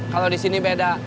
kalau di sini beda